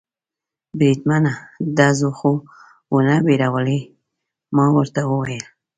بریدمنه، ډزو خو و نه بیرولې؟ ما ورته وویل.